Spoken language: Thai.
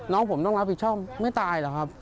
น้องผมต้องรับผิดชอบไม่ตายหรอกครับ